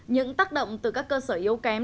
những tác động từ các cơ sở yếu kém